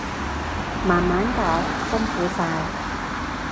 慢慢搞，辛苦晒